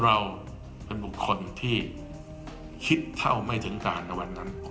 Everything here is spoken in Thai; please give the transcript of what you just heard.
เราเป็นบุคคลที่คิดเท่าไม่ถึงการในวันนั้น